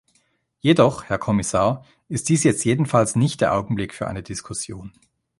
Jedoch, Herr Kommissar, ist dies jetzt jedenfalls nicht der Augenblick für eine Diskussion.